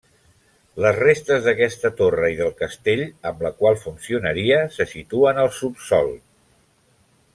Les restes d'aquesta torre i del castell amb la qual funcionaria se situen al subsòl.